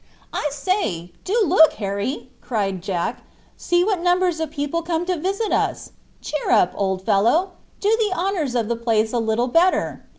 "I say, do look, Harry!" cried Jack. "See what numbers of people come to visit us! Cheer up, old fellow! Do the honors of the place a little better.